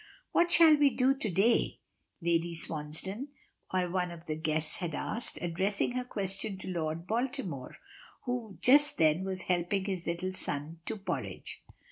"What shall we do to day?" Lady Swansdown, one of the guests, had asked, addressing her question to Lord Baltimore, who just then was helping his little son to porridge.